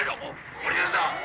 降りるんだ！